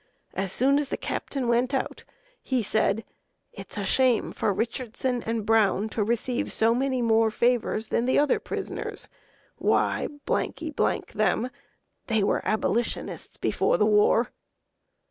As soon as the Captain went out, he said: 'It's a shame for Richardson and Browne to receive so many more favors than the other prisoners. Why, them, they were Abolitionists before the war!'"